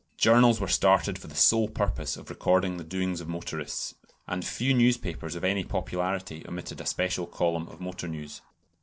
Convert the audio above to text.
Journals were started for the sole purpose of recording the doings of motorists; and few newspapers of any popularity omitted a special column of motor news.